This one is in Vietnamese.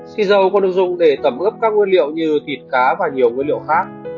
xì dầu có được dùng để tẩm ướp các nguyên liệu như thịt cá và nhiều nguyên liệu khác